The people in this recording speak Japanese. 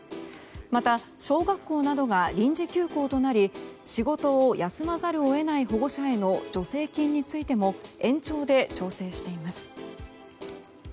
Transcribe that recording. また、小学校などが臨時休校となり仕事を休まざるを得ない保護者への助成金についても延長で調整しています。